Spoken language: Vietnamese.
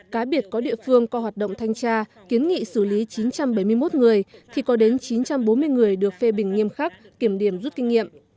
cá biệt có địa phương qua hoạt động thanh tra kiến nghị xử lý chín trăm bảy mươi một người thì có đến chín trăm bốn mươi người được phê bình nghiêm khắc kiểm điểm rút kinh nghiệm